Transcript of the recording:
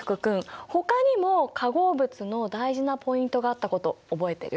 ほかにも化合物の大事なポイントがあったこと覚えてる？